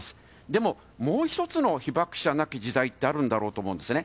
でも、もう一つの被爆者なき時代ってあるんだろうと思うんですね。